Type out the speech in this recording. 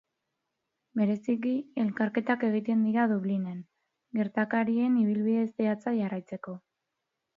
Bereziki, elkarketak egiten dira Dublinen, gertakarien ibilbide zehatza jarraitzeko.